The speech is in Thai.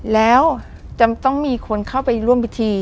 แล้วจะต้องมีคนเข้าไปร่วมพิธี